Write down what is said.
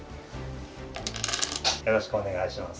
よろしくお願いします。